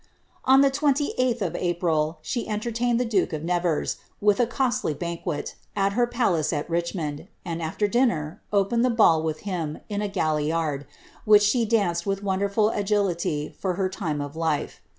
On the 28th of April, she entertained the duke of Nevers, with a costly banquet, at her palace at Richmond, and, after dinner, opened the bttU with him, in a galliard, which she danced with wonderful agility for her time of life.